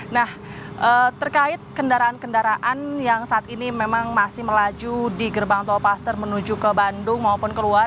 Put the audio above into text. nah terkait kendaraan kendaraan yang saat ini memang masih melaju di gerbang tol paster menuju ke bandung maupun keluar